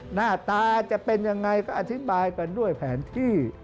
หน้าตาจะเป็นยังไงก็อธิบายกันด้วยแผนที่